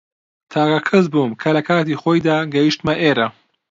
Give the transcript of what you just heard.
تاکە کەس بووم کە لە کاتی خۆیدا گەیشتمە ئێرە.